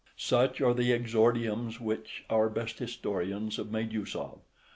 Such are the exordiums which our best historians have made use of.